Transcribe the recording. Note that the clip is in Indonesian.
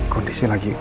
kondisi lagi hujan